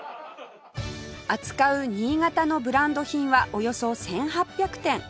扱う新潟のブランド品はおよそ１８００点